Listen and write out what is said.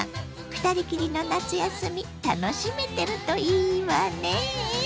２人きりの夏休み楽しめてるといいわね。